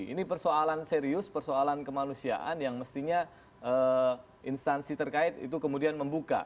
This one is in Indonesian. ini persoalan serius persoalan kemanusiaan yang mestinya instansi terkait itu kemudian membuka